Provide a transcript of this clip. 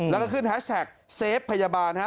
แล้วก็ขึ้นแฮชแท็กเซฟพยาบาลฮะ